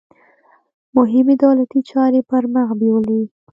مهمې دولتي چارې پرمخ بیولې.